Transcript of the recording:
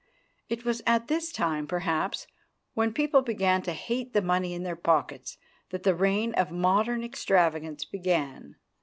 It was at this time, perhaps, when people began to hate the money in their pockets, that the reign of modern extravagance began.